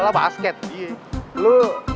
lu belum pulang